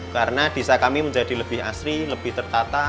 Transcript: karena desa kami menjadi lebih asri lebih tertata